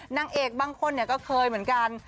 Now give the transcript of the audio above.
นางเอกบางคนก็เคยเหมือนกัน